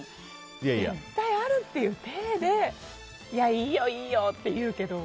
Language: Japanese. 絶対あるっていうていでいいよ、いいよって言うけど。